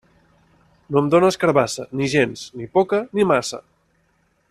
No em dónes carabassa, ni gens, ni poca, ni massa.